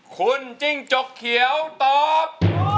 คุณจิ้งจกเขียวตอบ